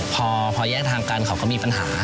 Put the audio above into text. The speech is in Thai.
พอแยกทางกันเขาก็มีปัญหา